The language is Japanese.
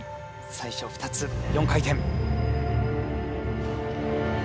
最初２つ４回転。